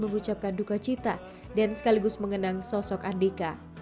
mengucapkan duka cita dan sekaligus mengenang sosok andika